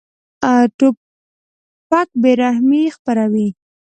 توپک بېرحمي خپروي.